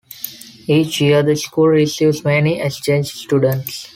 Each year the school receives many exchange students.